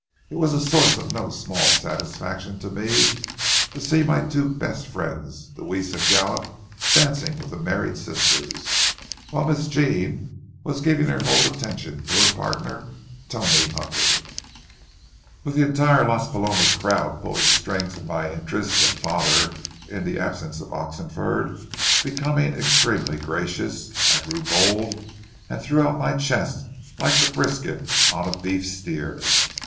It was a source of no small satisfaction to me to see my two best friends, Deweese and Gallup, dancing with the married sisters, while Miss Jean was giving her whole attention to her partner, Tony Hunter. With the entire Las Palomas crowd pulling strings in my interest, and Father, in the absence of Oxenford, becoming extremely gracious, I grew bold and threw out my chest like the brisket on a beef steer.